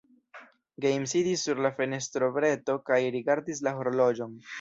Gejm sidis sur la fenestrobreto kaj rigardis la horloĝon.